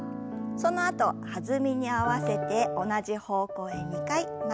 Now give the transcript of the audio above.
そのあと弾みに合わせて同じ方向へ２回曲げて戻します。